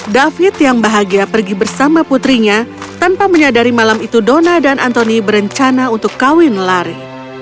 david yang bahagia pergi bersama putrinya tanpa menyadari malam itu dona dan antoni berencana untuk kawin lari